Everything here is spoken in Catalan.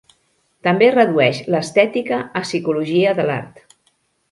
També redueix l'estètica a psicologia de l'art.